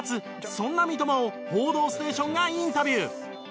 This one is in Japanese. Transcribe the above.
そんな三笘を『報道ステーション』がインタビュー。